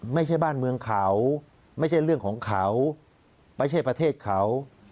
ไม่ใช่บ้านเมืองเขาไม่ใช่เรื่องของเขาไม่ใช่ประเทศเขา